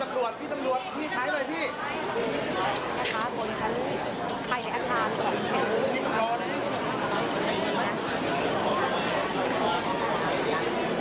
ดูฮะ